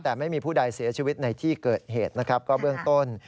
แต่ไม่มีผู้ใดเสียชีวิตในที่เกิดเหตุนะครับก็เบื้องต้น